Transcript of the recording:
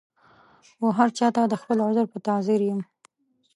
وهرچا ته د خپل عذر په تعذیر یم